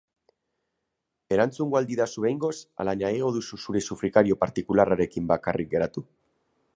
Erantzungo al didazu behingoz ala nahiago duzu zure sufrikario partikularrarekin bakarrik geratu?